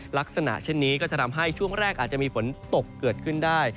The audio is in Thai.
หลักษณะก็จะทำให้ช่วงแรกิงฟ้นก็ตกขึ้นได้